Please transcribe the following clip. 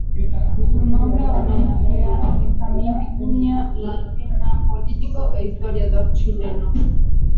Su nombre homenajea a Benjamín Vicuña Mackenna, político e historiador chileno.